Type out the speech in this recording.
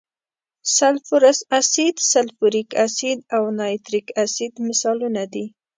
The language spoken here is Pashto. سلفورس اسید، سلفوریک اسید او نایتریک اسید مثالونه دي.